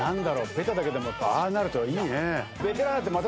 べただけでもああなるといいね。